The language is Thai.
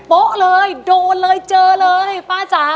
โป๊ะเลยโดนเลยเจอเลยป้าจ๋า